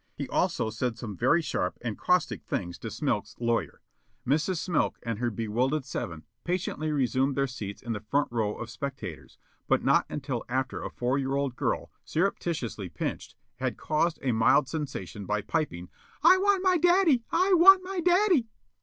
He also said some very sharp and caustic things to Smilk's lawyer. Mrs. Smilk and her bewildered seven patiently resumed their seats in the front row of spectators, but not until after a four year old girl, surreptitiously pinched, had caused a mild sensation by piping: "I want my daddy! I want my daddy!"